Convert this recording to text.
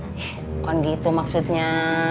bukan gitu maksudnya